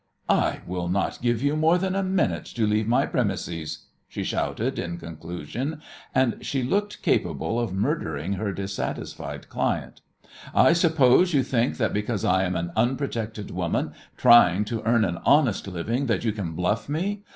"I will not give you more than a minute to leave my premises," she shouted, in conclusion, and she looked capable of murdering her dissatisfied client. "I suppose you think that because I am an unprotected woman trying to earn an honest living that you can bluff me?